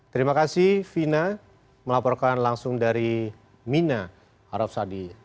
terima kasih vina melaporkan langsung dari mina arab saudi